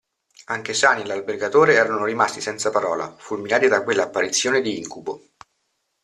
Anche Sani e l'albergatore erano rimasti senza parola, fulminati da quella apparizione di incubo.